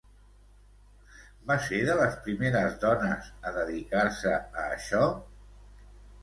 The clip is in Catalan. Va ser de les primeres dones a dedicar-se a això?